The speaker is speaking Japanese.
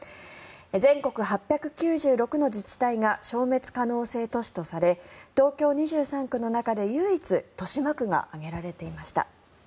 全国８９６の自治体が消滅可能性都市とされ東京２３区の中で唯一豊島区が挙げられていました。